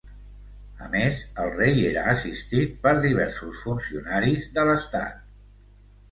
A més, el rei era assistit per diversos funcionaris de l'estat.